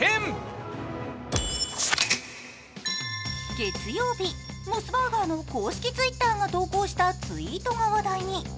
月曜日、モスバーガーの公式Ｔｗｉｔｔｅｒが投稿したツイートが話題に。